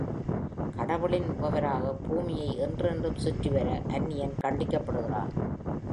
கடவுளின் முகவராக பூமியை என்றென்றும் சுற்றிவர அந்நியன் கண்டிக்கப்படுகிறான்.